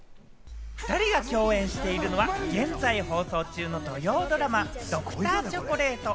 ２人が共演しているのは現在放送中の土曜ドラマ『Ｄｒ．チョコレート』。